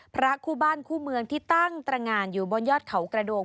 พระคู่บ้านคู่เมืองที่ตั้งตรงานอยู่บนยอดเขากระโดง